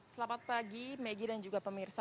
selamat pagi maggie dan juga pemirsa